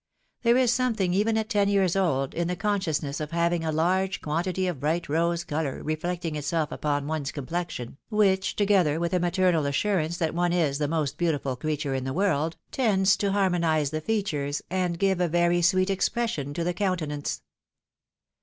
There is something, even at ten years old, in the consciousness of having a large quantity of bright rose colour reflecting itseK upon one's com plexion, which, together with a maternal assurance that one is the most beautiful creature in the world, tends to harmonise the features, and give a very sweet expression to the countenance.